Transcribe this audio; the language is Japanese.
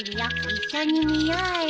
一緒に見ようよ。